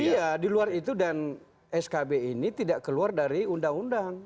iya di luar itu dan skb ini tidak keluar dari undang undang